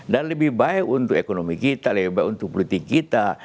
dan lebih baik untuk ekonomi kita lebih baik untuk politik kita